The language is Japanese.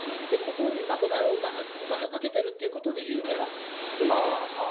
ここにばく大にお金をかけてるってことで有名なんです、そういう意味では。